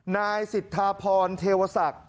นายสิทธาพรเทวศักดิ์